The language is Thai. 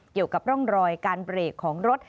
เกี่ยวกับร่องรอยการเบรกของรถ